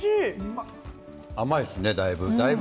甘いですね、だいぶ。